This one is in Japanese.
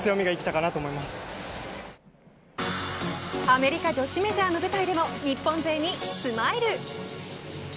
アメリカ女子メジャーの舞台でも日本勢にスマイル。